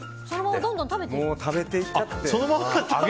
食べていっちゃって。